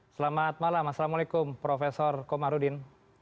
selamat malam assalamualaikum prof komarudin